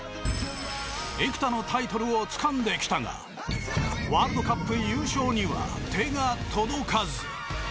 幾多のタイトルをつかんできたがワールドカップ優勝には手が届かず。